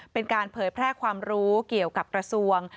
เป็นการเผยแพร่ความรู้เกี่ยวกับกระทรวง